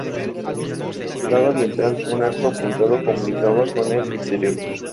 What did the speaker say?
En su lado oriental un arco apuntado comunicaba con el exterior.